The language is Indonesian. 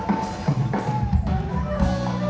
oh ini dia